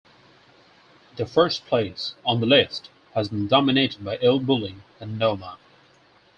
The first place on the list has been dominated by elBulli and Noma.